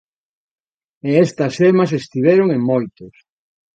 E estas xemas estiveron en moitos